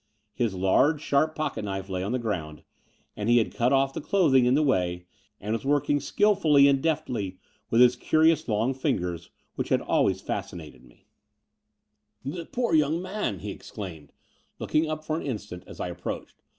His large sharp pocket knife lay on the ground; and he had cut off the dpthing in the way, and was working skilfully and deftly with his curious long fingers, which had always fascinated me. 62 The Door of the Unreal *'The poor young man!" he exclaimed, looking up for an instant, as I approached.